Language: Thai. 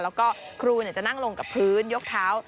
แล้วก็ครูจะนั่งลงกับพื้นยกเท้า